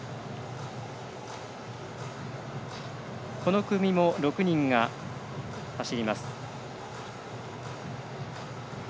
この組も６人が走ります。